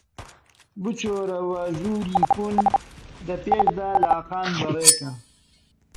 بچۆرەوە ژووری کون، دە پێشدا لاقان بەڕێ کە!